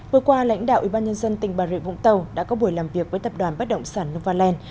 vừa qua lãnh đạo ủy ban nhân dân tỉnh bà rịa vũng tàu đã có buổi làm việc với tập đoàn bắt động sản novaland